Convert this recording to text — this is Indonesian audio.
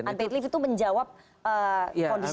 unpaid leave itu menjawab kondisi saat ini